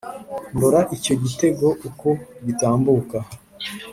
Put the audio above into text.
Ndora icyo gitego uko gitambuka